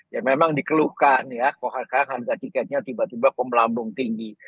ya memang dikeluhkan ya kalau harga tiketnya tiba tiba pemelambung tinggi